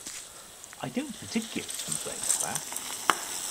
I don't particular complain of that.